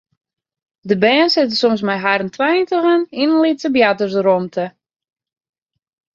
De bern sitte soms mei harren tweintigen yn in lytse boartersrûmte.